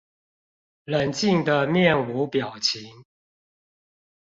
冷靜地面無表情